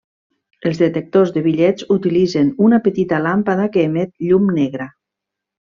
Els detectors de bitllets utilitzen una petita làmpada que emet llum negra.